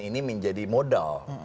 ini menjadi modal